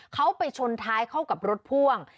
เขาไปชนท้ายเข้ากับรถพ่วง